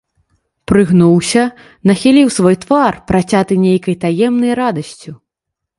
Прыгнуўся, нахіліў свой твар, працяты нейкай таемнай радасцю.